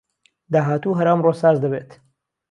داهاتوو هەر ئەمڕۆ ساز دەبێت